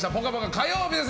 火曜日です。